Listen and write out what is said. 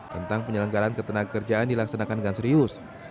tentang penyelenggaraan ketenagakerjaan dilaksanakan dengan serius